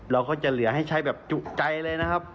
เราก็จะเหลือให้ใช้แบบจุใจเลยนะครับ